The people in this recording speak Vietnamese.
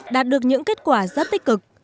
đạt được những kết quả rất tích cực